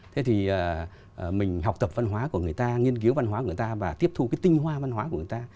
thế thì mình học tập văn hóa của người ta nghiên cứu văn hóa người ta và tiếp thu cái tinh hoa văn hóa của người ta